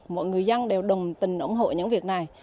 mọi người dân đều đồng tình ủng hộ những việc này